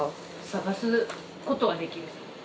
探すことはできる。